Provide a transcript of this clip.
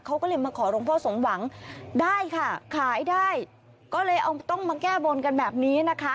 เขาก็เลยมาขอหลวงพ่อสมหวังได้ค่ะขายได้ก็เลยเอาต้องมาแก้บนกันแบบนี้นะคะ